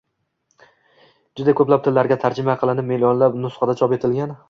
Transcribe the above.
Juda ko‘plab tillarga tarjima qilinib, millionlab nusxada chop etilgan